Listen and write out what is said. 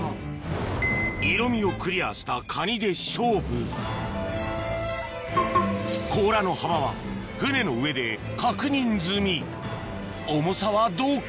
色みをクリアしたカニで勝負甲羅の幅は船の上で確認済み重さはどうか？